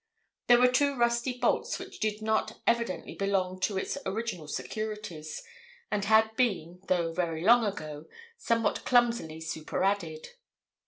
There were two rusty bolts, which did not evidently belong to its original securities, and had been, though very long ago, somewhat clumsily superadded.